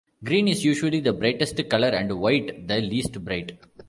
Green is usually the brightest color and white the least bright.